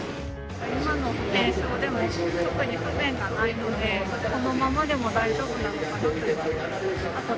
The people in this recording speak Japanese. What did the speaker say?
今の保険証でも特に不便がないので、このままでも大丈夫なのかなと。